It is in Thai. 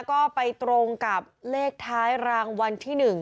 ก็ไปตรงกับเลขท้ายรางวัลที่๑